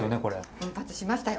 奮発しましたよ！